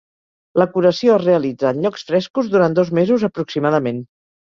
La curació es realitza en llocs frescos durant dos mesos aproximadament.